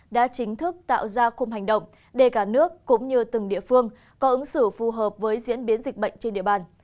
đã chính thức tạo ra khung hành động để cả nước cũng như từng địa phương có ứng xử phù hợp với diễn biến dịch bệnh trên địa bàn